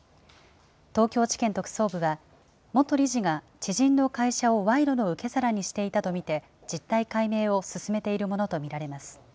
東京地検特捜部は、元理事が知人の会社を賄賂の受け皿にしていたと見て、実態解明を進めているものと見られます。